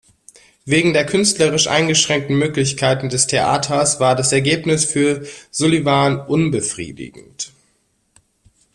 Wegen der künstlerisch eingeschränkten Möglichkeiten des Theaters war das Ergebnis für Sullivan unbefriedigend.